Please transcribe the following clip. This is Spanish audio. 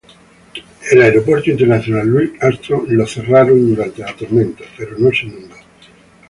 El Aeropuerto Internacional Louis Armstrong fue cerrado durante la tormenta pero no se inundó.